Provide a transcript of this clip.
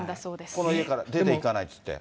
この家から出ていかないって言って。